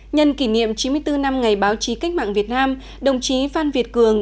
nhân kỷ niệm chín mươi bốn năm ngày báo chí cách mạng việt nam đồng chí phan việt cường